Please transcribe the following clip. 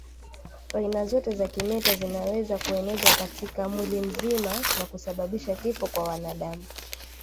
Aina zote za kimeta zinaweza kuenezwa katika mwili mzima na kusababisha kifo kwa binadamu